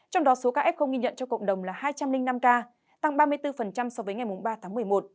trong đó số ca f ghi nhận trong cộng đồng là hai trăm linh năm ca tăng ba mươi bốn so với ngày ba tháng một mươi một